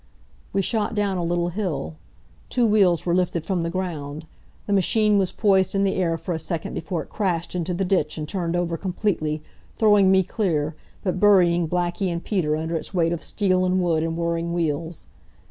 We shot down a little hill. Two wheels were lifted from the ground. The machine was poised in the air for a second before it crashed into the ditch and turned over completely, throwing me clear, but burying Blackie and Peter under its weight of steel and wood and whirring wheels.